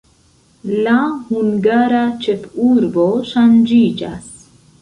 La hungara ĉefurbo ŝanĝiĝas.